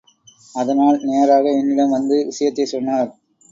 அதனால் நேராக என்னிடம் வந்து விஷயத்தைச்சொன்னார்.